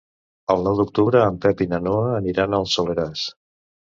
El nou d'octubre en Pep i na Noa aniran al Soleràs.